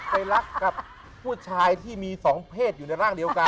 ไปรักกับผู้ชายที่มีสองเพศอยู่ในร่างเดียวกัน